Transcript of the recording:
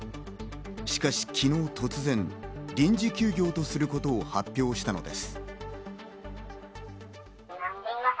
しかし昨日突然、臨時休業とすることを発表したのです。